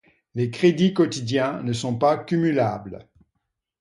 Les crédits quotidiens ne sont pas cumulables.